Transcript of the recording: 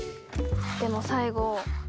でも最後。